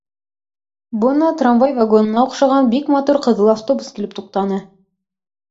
Бына трамвай вагонына оҡшаған бик матур ҡыҙыл автобус килеп туҡтаны.